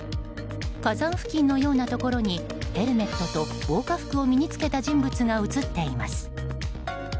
火山付近のようなところにヘルメットと防火服を身に着けた人物が写っています。